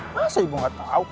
masa ibu gak tau